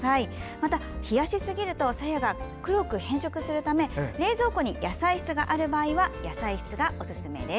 また、冷やしすぎるとさやが黒く変色するため冷蔵庫に野菜室がある場合は野菜室がおすすめです。